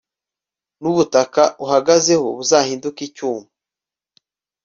nubutaka uhagazeho buzahinduke icyuma